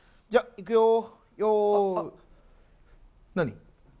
じゃあ行くよ。